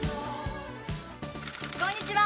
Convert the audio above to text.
こんにちは。